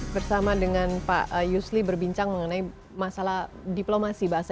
tetaplah bersama kami